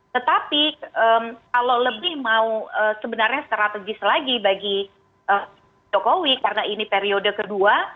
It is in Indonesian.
tetapi kalau lebih mau sebenarnya strategis lagi bagi jokowi karena ini periode kedua